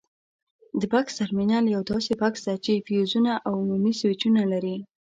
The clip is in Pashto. د بکس ترمینل یوه داسې بکس ده چې فیوزونه او عمومي سویچونه لري.